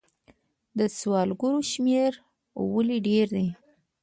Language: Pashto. د سوالګرو شمیر ولې ډیر دی؟